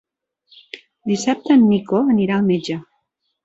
Dissabte en Nico anirà al metge.